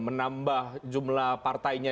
menambah jumlah partainya